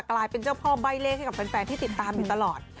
กลายเป็นเจ้าพ่อใบ้เลขให้กับแฟนที่ติดตามอยู่ตลอด